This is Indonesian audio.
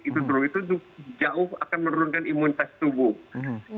itu bro itu jauh akan menurunkan imunitas tubuh